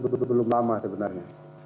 jadi belum lama sebenarnya